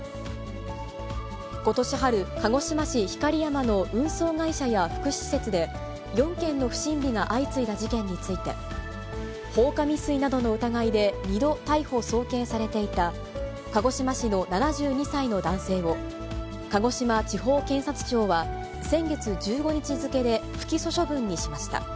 ことし春、鹿児島市光山の運送会社や福祉施設で、４件の不審火が相次いだ事件について、放火未遂などの疑いで２度逮捕・送検されていた鹿児島市の７２歳の男性を、鹿児島地方検察庁は、先月１５日付で不起訴処分にしました。